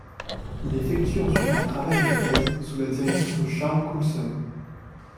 Il effectue ensuite un travail de thèse sous la direction de Charles Coulson.